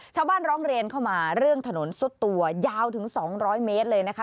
ร้องเรียนเข้ามาเรื่องถนนซุดตัวยาวถึง๒๐๐เมตรเลยนะคะ